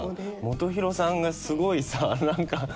本広さんがすごいさ何か。